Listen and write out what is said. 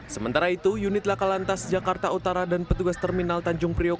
sementara itu unit laka lantas jakarta utara dan petugas terminal tanjung priok